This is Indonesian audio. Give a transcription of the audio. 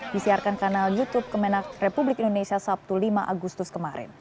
disiarkan kanal youtube kemenak republik indonesia sabtu lima agustus kemarin